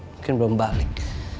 mungkin belum balik